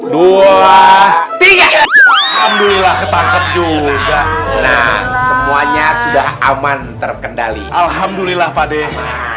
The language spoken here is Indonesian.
dua tiga alhamdulillah ketangkep juga semuanya sudah aman terkendali alhamdulillah padeh